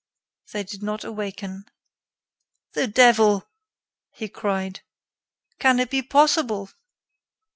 They did not awaken. "The devil!" he cried. "Can it be possible?"